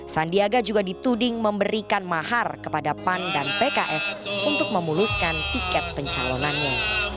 sandiaga juga dituding memberikan mahar kepada pan dan pks untuk memuluskan tiket pencalonannya